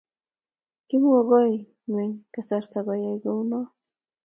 Kimokukoi nguny kasarta koyay kounoe.